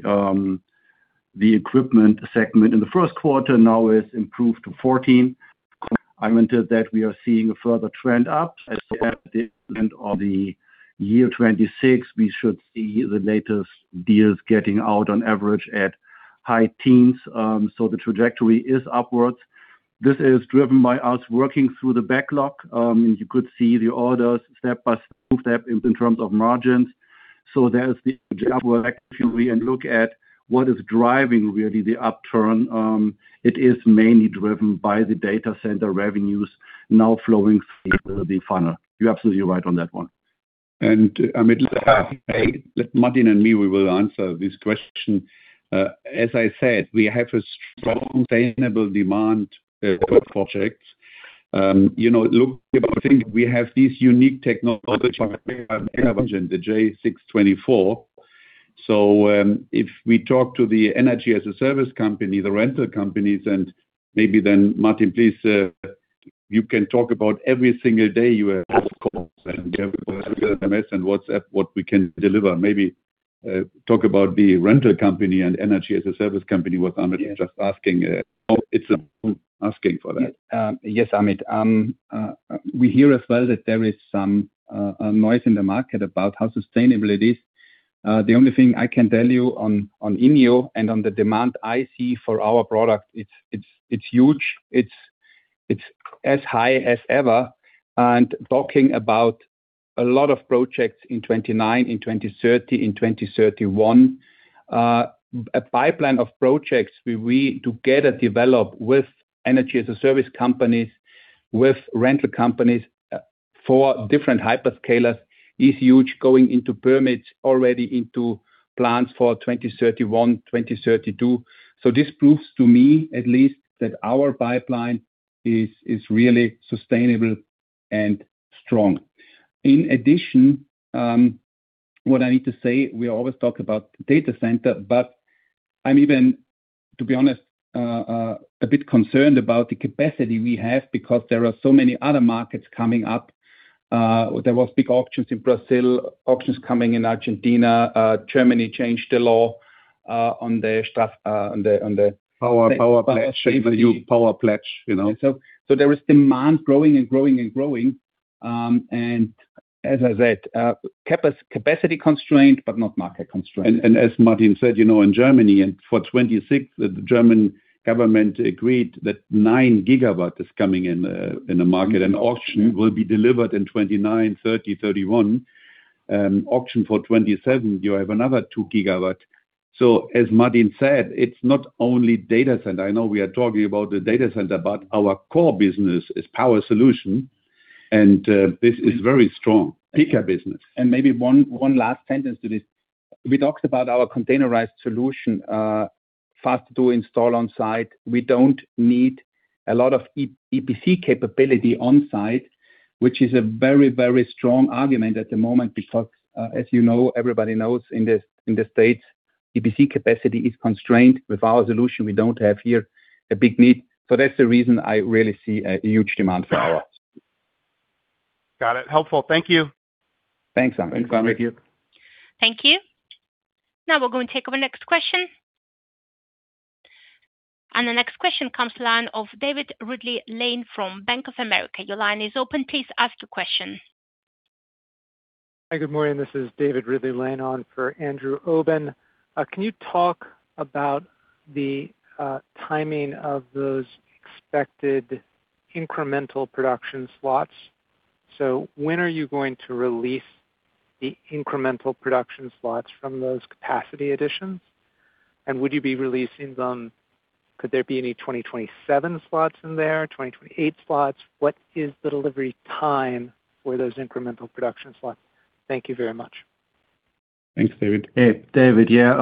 equipment segment in the first quarter now is improved to 14%. Commented that we are seeing a further trend up as we have the end of the year 2026. We should see the latest deals getting out on average at high teens. The trajectory is upwards. This is driven by us working through the backlog. You could see the orders step by step in terms of margins. There is the upward trajectory. Look at what is driving really the upturn. It is mainly driven by the data center revenues now flowing through the funnel. You're absolutely right on that one. Amit, Martin and me, we will answer this question. As I said, we have a strong sustainable demand for projects. Look, if I think we have this unique technology, the J624. If we talk to the Energy as a Service company, the rental companies, and maybe then Martin, please. You can talk about every single day you have calls and you have SMS and WhatsApp, what we can deliver, maybe talk about the rental company and Energy as a Service company, what Amit Yeah. is just asking. It's asking for that. Yes, Amit. We hear as well that there is some noise in the market about how sustainable it is. The only thing I can tell you on INNIO and on the demand I see for our product, it's huge. It's as high as ever. Talking about a lot of projects in 2029, in 2030, in 2031. A pipeline of projects we together develop with Energy as a Service companies, with rental companies for different hyperscalers is huge, going into permits already into plans for 2031, 2032. This proves to me at least, that our pipeline is really sustainable and strong. In addition, what I need to say, we always talk about data center, but I'm even, to be honest, a bit concerned about the capacity we have because there are so many other markets coming up. There was big auctions in Brazil, auctions coming in Argentina. Germany changed the law on the- Power pledge. The new Power pledge. There is demand growing and growing. As I said, capacity constraint, but not market constraint. As Martin said, in Germany and for 2026, the German government agreed that 9 GW is coming in the market. An auction will be delivered in 2029, 2030, 2031. Auction for 2027, you have another 2 GW. As Martin said, it is not only data center. I know we are talking about the data center, but our core business is power solution, and this is very strong. Bigger business. Maybe one last sentence to this. We talked about our containerized solution, fast to install on site. We do not need a lot of EPC capability on site, which is a very, very strong argument at the moment because, as you know, everybody knows in the U.S., EPC capacity is constrained. With our solution, we do not have here a big need. That is the reason I really see a huge demand for ours. Got it. Helpful. Thank you. Thanks, Amit. Thank you. Thank you. Now we're going to take our next question. The next question comes to line of David Ridley-Lane from Bank of America. Your line is open. Please ask your question. Hi. Good morning. This is David Ridley-Lane on for Andrew Obin. Can you talk about the timing of those expected incremental production slots? When are you going to release the incremental production slots from those capacity additions? Would you be releasing them? Could there be any 2027 slots in there, 2028 slots? What is the delivery time for those incremental production slots? Thank you very much. Thanks, David. Hey, David, yeah.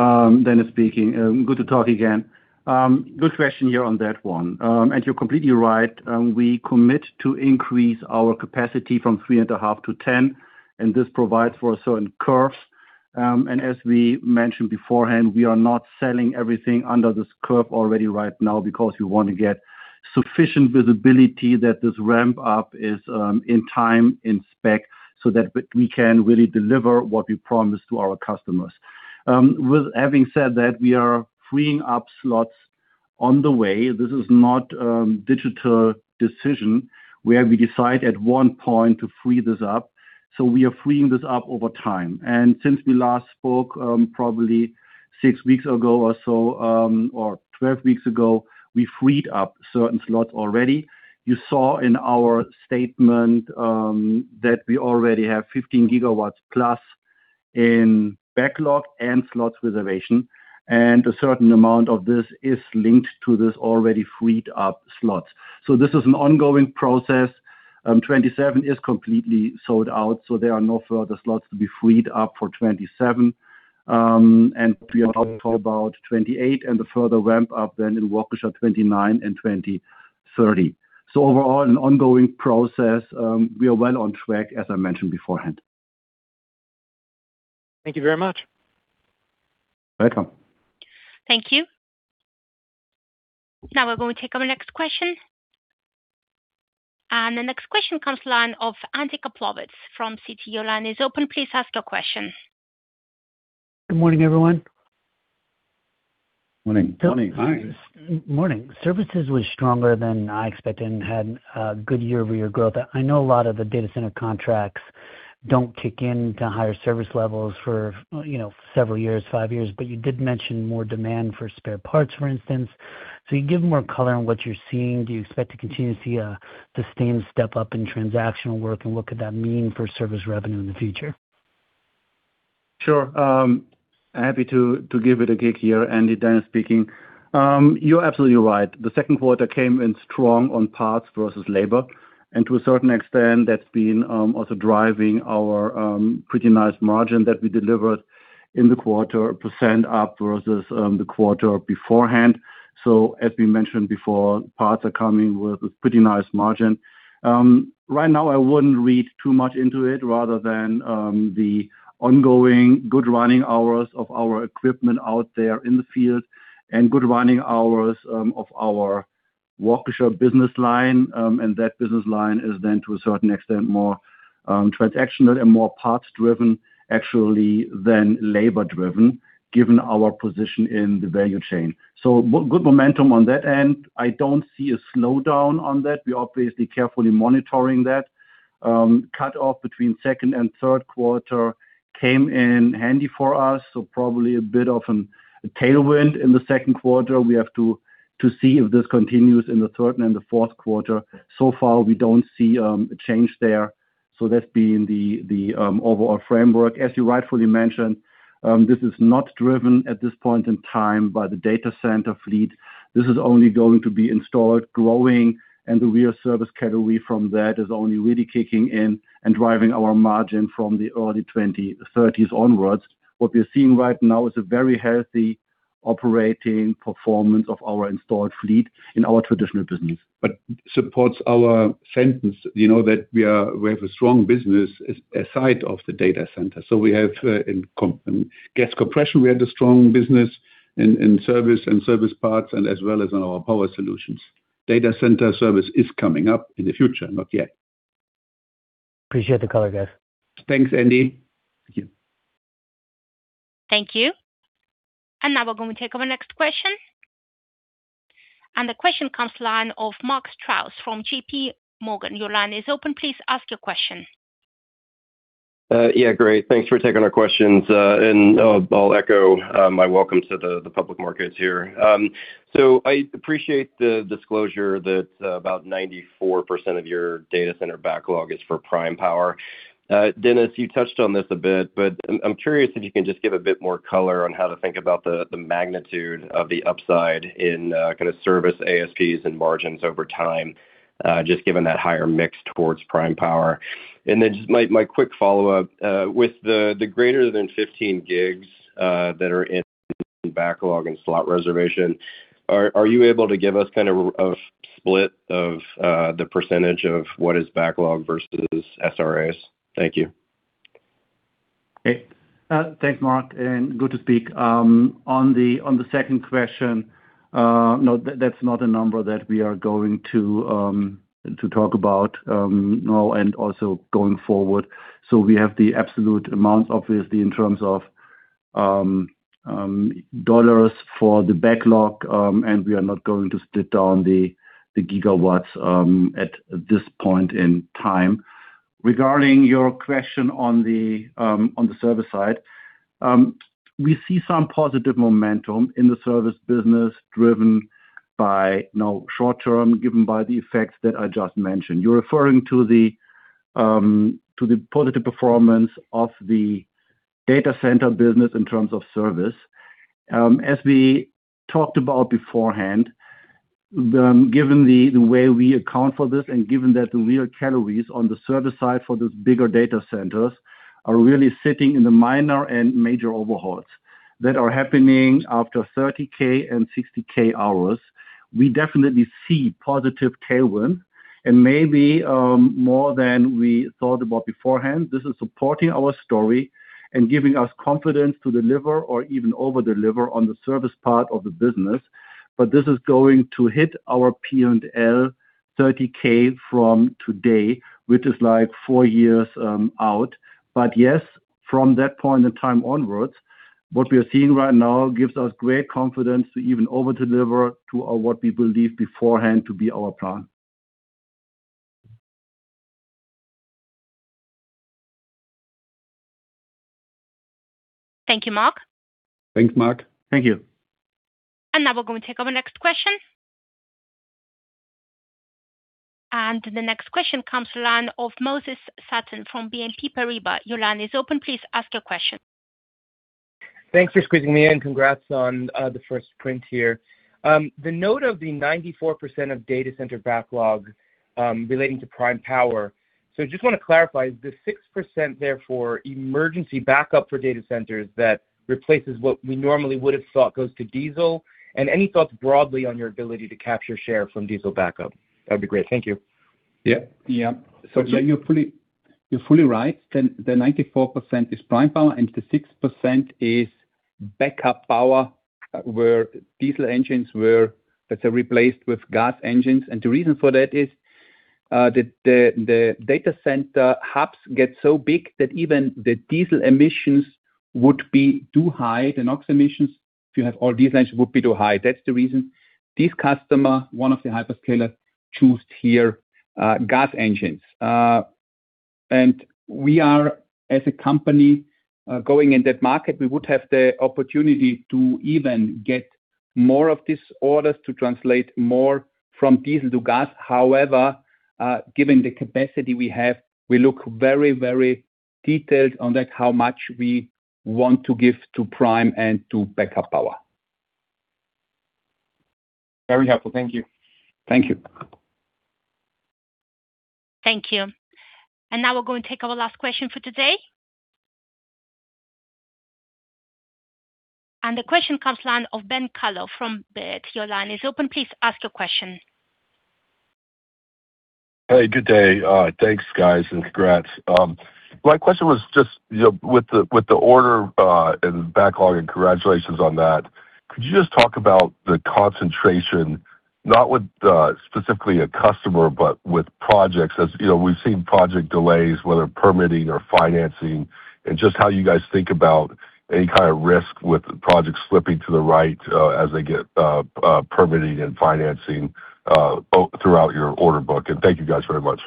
Dennis speaking. Good to talk again. Good question here on that one. You're completely right. We commit to increase our capacity from three and a half to 10, and this provides for certain curves. As we mentioned beforehand, we are not selling everything under this curve already right now because we want to get sufficient visibility that this ramp up is in time, in spec, so that we can really deliver what we promised to our customers. With having said that, we are freeing up slots on the way. This is not digital decision where we decide at one point to free this up. We are freeing this up over time. Since we last spoke, probably six weeks ago or so, or 12 weeks ago, we freed up certain slots already. You saw in our statement that we already have 15 GW plus in backlog and Slot Reservations, and a certain amount of this is linked to this already freed up slots. This is an ongoing process. 2027 is completely sold out, so there are no further slots to be freed up for 2027. We are talking for about 2028 and the further ramp up then in Waukesha are 2029 and 2030. Overall, an ongoing process. We are well on track, as I mentioned beforehand. Thank you very much. Welcome. Thank you. Now we're going to take our next question. The next question comes to line of Andrew Kaplowitz from Citi. Your line is open. Please ask your question. Good morning, everyone. Morning. Morning. Morning. Services was stronger than I expected and had a good year-over-year growth. I know a lot of the data center contracts don't kick in to higher service levels for several years, five years. You did mention more demand for spare parts, for instance. Can you give more color on what you're seeing? Do you expect to continue to see a sustained step-up in transactional work, and what could that mean for service revenue in the future? Sure. Happy to give it a gig here, Andy. Dennis speaking. You're absolutely right. The second quarter came in strong on parts versus labor. To a certain extent, that's been also driving our pretty nice margin that we delivered in the quarter, percent up versus the quarter beforehand. As we mentioned before, parts are coming with a pretty nice margin. Right now I wouldn't read too much into it rather than the ongoing good running hours of our equipment out there in the field and good running hours of our. Waukesha business line, that business line is then to a certain extent more transactional and more parts-driven actually than labor-driven, given our position in the value chain. Good momentum on that end. I don't see a slowdown on that. We're obviously carefully monitoring that. Cut-off between second and third quarter came in handy for us, probably a bit of a tailwind in the second quarter. We have to see if this continues in the third and the fourth quarter. So far, we don't see a change there. That being the overall framework. As you rightfully mentioned, this is not driven at this point in time by the data center fleet. This is only going to be installed, growing, and the real service category from that is only really kicking in and driving our margin from the early 2030s onwards. What we're seeing right now is a very healthy operating performance of our installed fleet in our traditional business. Supports our sentence, that we have a strong business aside of the data center. We have in gas compression, we have the strong business in service and service parts and as well as in our power solutions. Data center service is coming up in the future, not yet. Appreciate the color, guys. Thanks, Andy. Thank you. Thank you. Now we're going to take our next question. The question comes line of Mark Strouse from JPMorgan. Your line is open. Please ask your question. Yeah, great. Thanks for taking our questions. I'll echo my welcome to the public markets here. I appreciate the disclosure that about 94% of your data center backlog is for prime power. Dennis, you touched on this a bit, but I'm curious if you can just give a bit more color on how to think about the magnitude of the upside in service ASPs and margins over time, just given that higher mix towards prime power. Then just my quick follow-up, with the greater than 15 GW that are in backlog and Slot Reservations, are you able to give us a split of the percentage of what is backlog versus SRAs? Thank you. Okay. Thanks, Mark, and good to speak. On the second question, no, that's not a number that we are going to talk about now and also going forward. We have the absolute amount, obviously, in terms of dollars for the backlog, and we are not going to split down the gigawatts at this point in time. Regarding your question on the service side, we see some positive momentum in the service business driven by short-term, given by the effects that I just mentioned. You're referring to the positive performance of the data center business in terms of service. As we talked about beforehand, given the way we account for this and given that the real categories on the service side for the bigger data centers are really sitting in the minor and major overhauls that are happening after 30K and 60K hours. We definitely see positive tailwind, and maybe more than we thought about beforehand. This is supporting our story and giving us confidence to deliver or even over-deliver on the service part of the business. This is going to hit our P&L 30K from today, which is four years out. Yes, from that point in time onwards, what we are seeing right now gives us great confidence to even over-deliver to what we believe beforehand to be our plan. Thank you, Mark. Thanks, Mark. Thank you. Now we're going to take our next question. The next question comes to line of Moses Sutton from BNP Paribas. Your line is open. Please ask your question. Thanks for squeezing me in. Congrats on the first print here. The note of the 94% of data center backlog relating to prime power. Just want to clarify, is the 6% there for emergency backup for data centers that replaces what we normally would have thought goes to diesel? Any thoughts broadly on your ability to capture share from diesel backup? That'd be great. Thank you. Yeah. Yeah. You're fully right. The 94% is prime power, and the 6% is backup power, where diesel engines were replaced with gas engines. The reason for that is that the data center hubs get so big that even the diesel emissions would be too high. The NOx emissions, if you have all diesel engines, would be too high. That's the reason this customer, one of the hyperscaler, choose here gas engines. We are, as a company, going in that market. We would have the opportunity to even get more of these orders to translate more from diesel to gas. However, given the capacity we have, we look very detailed on that, how much we want to give to prime and to backup power. Very helpful. Thank you. Thank you. Thank you. Now we're going to take our last question for today. The question comes line of Ben Kallo from Baird. Your line is open. Please ask your question. Hey, good day. Thanks, guys, and congrats. My question was just with the order and backlog, and congratulations on that, could you just talk about the concentration, not with specifically a customer, but with projects? As we've seen project delays, whether permitting or financing, and just how you guys think about any kind of risk with projects slipping to the right as they get permitting and financing throughout your order book. Thank you guys very much.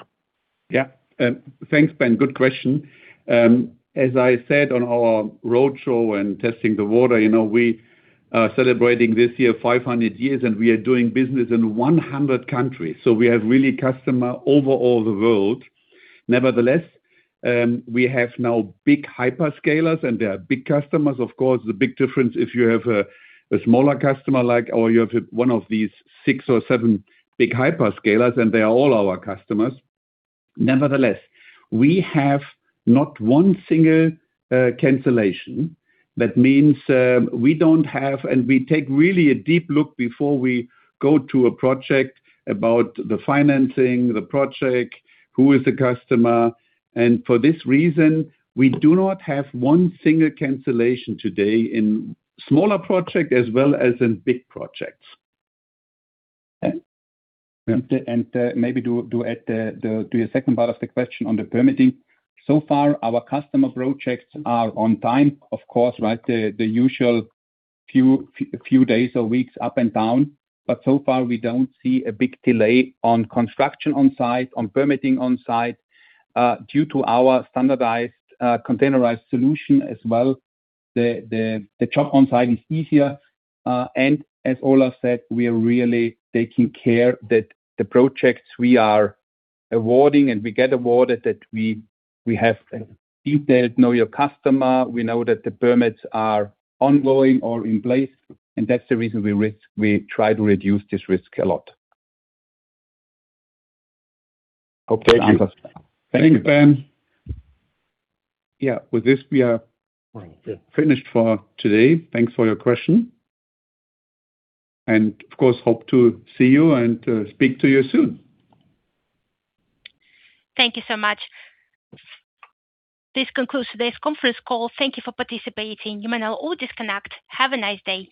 Thanks, Ben. Good question. As I said on our roadshow and testing the water, we are celebrating this year 500 years, and we are doing business in 100 countries. We have really customer over all the world. Nevertheless, we have now big hyperscalers and they are big customers. Of course, the big difference if you have a smaller customer like, or you have one of these six or seven big hyperscalers, they are all our customers. Nevertheless, we have not one single cancellation. That means we don't have, we take really a deep look before we go to a project about the financing, the project, who is the customer. For this reason, we do not have one single cancellation today in smaller project as well as in big projects. Maybe to add to your second part of the question on the permitting. So far, our customer projects are on time, of course, the usual few days or weeks up and down. So far, we don't see a big delay on construction on site, on permitting on site. Due to our standardized containerized solution as well, the job on site is easier. As Olaf said, we are really taking care that the projects we are awarding and we get awarded that we have detailed Know Your Customer. We know that the permits are ongoing or in place, that's the reason we try to reduce this risk a lot. Okay. Thanks, Ben. Yeah. With this, we are finished for today. Thanks for your question. Of course, hope to see you and speak to you soon. Thank you so much. This concludes today's conference call. Thank you for participating. You may now all disconnect. Have a nice day.